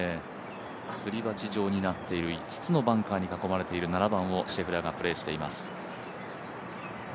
すり鉢状になっている５つのバンカーに囲まれている７番をシェフラーがプレーしています。